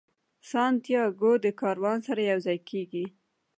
سانتیاګو د کاروان سره یو ځای کیږي.